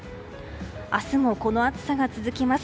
明日もこの暑さが続きます。